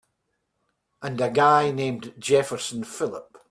And a guy named Jefferson Phillip.